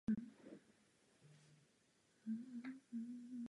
Jsem do ní blázen.